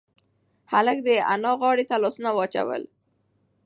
هلک د انا غاړې ته لاسونه واچول.